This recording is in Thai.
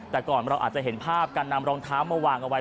แต่ก่อนเราอาจจะเห็นภาพการนำรองเท้ามาวางเอาไว้